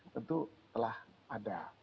tentu telah ada